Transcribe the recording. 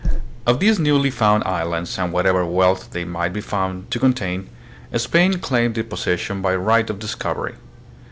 Of these newly found islands and whatever wealth they might be found to contain, Spain claimed the possession by right of discovery.